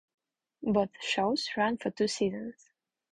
Both shows ran for two seasons.